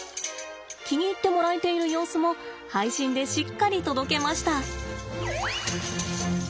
気に入ってもらえている様子も配信でしっかり届けました。